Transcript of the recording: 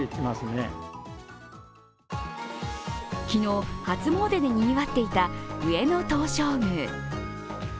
昨日、初詣でにぎわっていた上野東照宮。